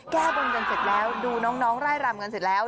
แก้บนกันเสร็จแล้วดูน้องไล่รำกันเสร็จแล้ว